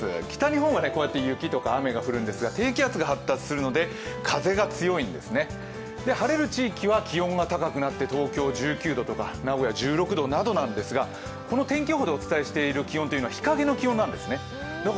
北日本はこうやって雪とか雨が降るんですが、東日本は風が強いんですね、晴れる地域は高くなって東京１９度、名古屋１６度なんですがこの天気予報でお伝えしている気温は日陰の気温なんですね。